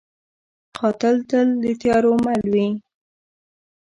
قاتل تل د تیارو مل وي